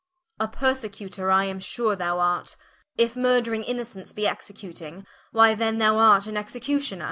Hen. A Persecutor I am sure thou art, If murthering Innocents be Executing, Why then thou art an Executioner Rich.